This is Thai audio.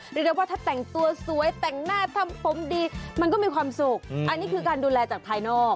เรียกได้ว่าถ้าแต่งตัวสวยแต่งหน้าทำผมดีมันก็มีความสุขอันนี้คือการดูแลจากภายนอก